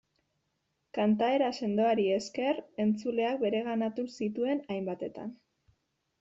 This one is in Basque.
Kantaera sendoari esker, entzuleak bereganatu zituen hainbatetan.